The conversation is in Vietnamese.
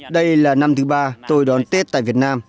đây là năm thứ ba tôi đón tết tại việt nam